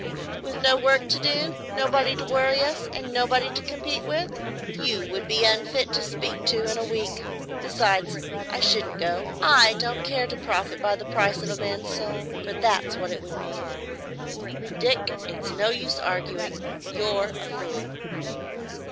"With no work to do, nobody to worry us, and nobody to compete with? You would be unfit to speak to in a week. Besides, I shouldn't go. I don't care to profit by the price of a man's soul,—for that's what it would mean. Dick, it's no use arguing. You're a fool."